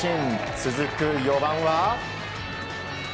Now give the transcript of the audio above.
続く４番は。